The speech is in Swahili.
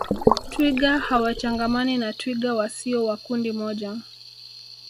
Twiga hawachangamani na twiga wasio wa kundi moja